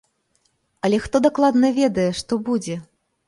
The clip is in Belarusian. Але хто дакладна ведае, што будзе?